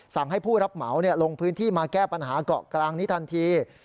สั่งให้ผู้รับเหมาลงพื้นที่มาแก้ปัญหาเกาะกลางนี้ทันที